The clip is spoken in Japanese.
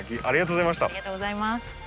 ありがとうございます。